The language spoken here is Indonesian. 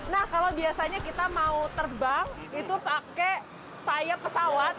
nah kalau biasanya kita mau terbang itu pakai sayap pesawat